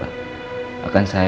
jangan sampai diaate lelaki tujuh